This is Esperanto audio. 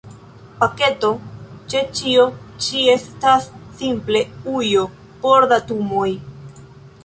Paketo ĉe ĉio ĉi estas simple ujo por datumoj.